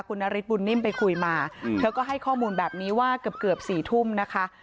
คุณนฤทธบุญนิ่มไปคุยมาเธอก็ให้ข้อมูลแบบนี้ว่าเกือบเกือบ๔ทุ่มนะคะ